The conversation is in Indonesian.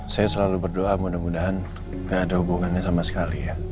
saya selalu berdoa mudah mudahan gak ada hubungannya sama sekali ya